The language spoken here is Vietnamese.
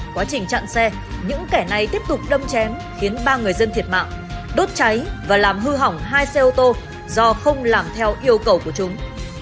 quá trình chặn xe những kẻ này tiếp tục đâm chém khiến ba người dân thiệt mạng đốt cháy và làm hư hỏng hai xe ô tô do không làm theo yêu cầu của chúng